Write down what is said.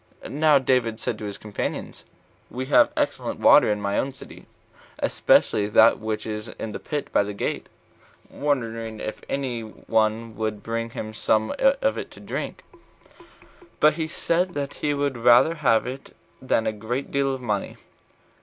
Now David said to his companions, "We have excellent water in my own city, especially that which is in the pit near the gate," wondering if any one would bring him some of it to drink; but he said that he would rather have it than a great deal of money.